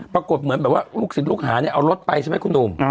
ปรากฏเหมือนลูกศิษย์ลูกหาเอารถไปใช่มั้ยคุณธุม